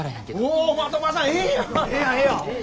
ええやんええやん！